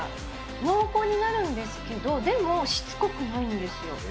濃厚になるんですけど、でもしつこくないんですよ。